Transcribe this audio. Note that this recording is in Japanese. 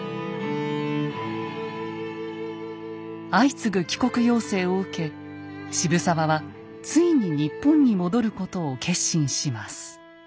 相次ぐ帰国要請を受け渋沢はついに日本に戻ることを決心します。